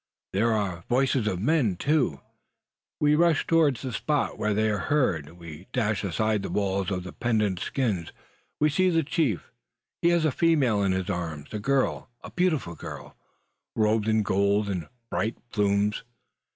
There are voices of men, too! We rush towards the spot where they are heard. We dash aside the walls of pendant skins. We see the chief. He has a female in his arms a girl, a beautiful girl, robed in gold and bright plumes.